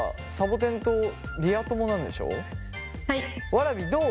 わらびどう？